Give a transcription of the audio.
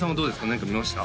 何か見ました？